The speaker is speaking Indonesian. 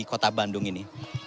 kota bandung ini